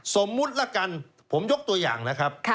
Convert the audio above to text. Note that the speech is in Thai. สมมุติละกันผมยกตัวอย่างนะครับ